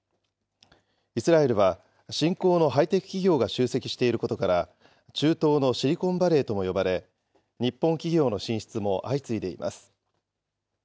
イスラエルは新興のハイテク企業が集積していることから、中東のシリコンバレーとも呼ばれ、日本企業の進出も相次いでいます。